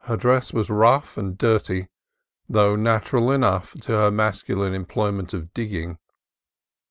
Her dress was rough and dirty, though natural enough to her masculine em ployment of digging.